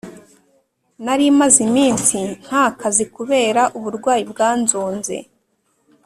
Nari maze iminsi ntakazi kubera uburwayi bwanzonze